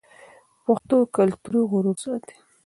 پښتو کلتوري غرور ساتي.